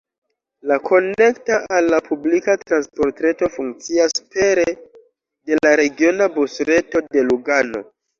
La konekta al la publika transportreto funkcias pere de la regiona busreto de Lugano.